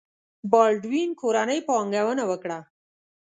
بالډوین کورنۍ پانګونه وکړه.